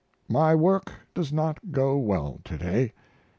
My work does not go well to day.